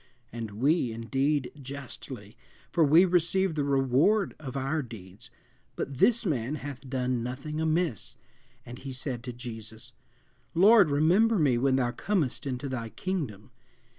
and we, indeed, justly, for we receive the reward of our deeds; but this man hath done nothing amiss. And he said to Jesus, Lord, remember me when thou comest into thy kingdom.